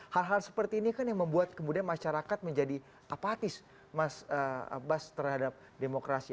hal hal seperti ini kan yang membuat kemudian masyarakat menjadi apatis mas abbas terhadap demokrasi